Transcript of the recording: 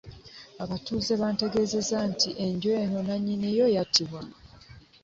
Abatuuze baategeezezza nti enju eno nannyini yo yatibwa.